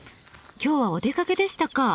今日はお出かけでしたか？